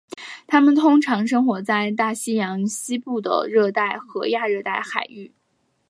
它们通常生活在大西洋西部的热带和亚热带海域。